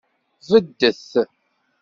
Beddet!